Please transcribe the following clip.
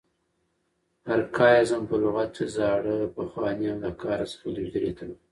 ارکاییزم په لغت کښي زاړه، پخواني او د کاره څخه لوېدلي ته وایي.